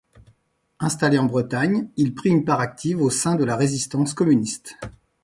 Installé en Bretagne, il prit une part active au sein de la résistance communiste.